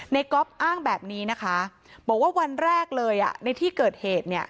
เน็กก๊อปอ้างแบบนี้นะคะบอกว่าวันแรกเลยในที่เกิดเหตุ